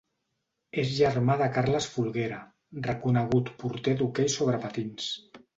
És germà de Carles Folguera, reconegut porter d'hoquei sobre patins.